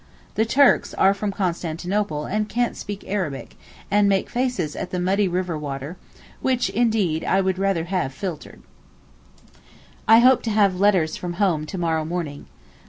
The Turks are from Constantinople and can't speak Arabic, and make faces at the muddy river water, which, indeed, I would rather have filtered. I hope to have letters from home to morrow morning.